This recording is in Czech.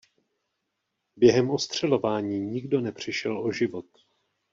Během ostřelování nikdo nepřišel o život.